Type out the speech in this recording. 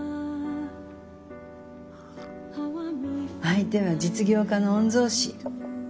相手は実業家の御曹司。